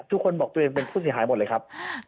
ทุกคนบอกตัวเองเป็นผู้เสียหายหมดเลยครับ